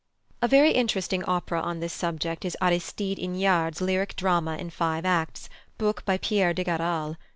A very interesting opera on this subject is +Aristide Hignard's+ lyric drama in five acts, book by Pierre de Garal.